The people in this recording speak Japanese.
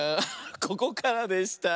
ここからでした。